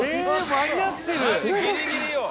「マジギリギリよ」